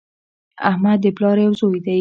احمد د پلار یو زوی دی